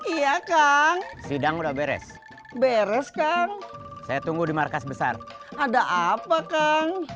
iya kang sidang udah beres beres kang saya tunggu di markas besar ada apa kang